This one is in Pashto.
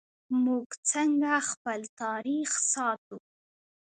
موږ څنګه خپل تاریخ ساتو؟